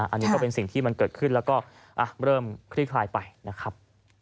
อันนี้ก็เป็นสิ่งที่มันเกิดขึ้นแล้วก็เริ่มคลี่คลายไปนะครับ